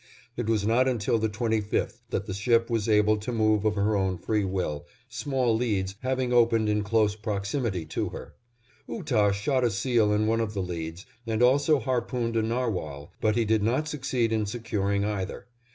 It was not until the 25th that the ship was able to move of her own free will, small leads having opened in close proximity to her. Ootah shot a seal in one of the leads, and also harpooned a narwhal, but he did not succeed in securing either.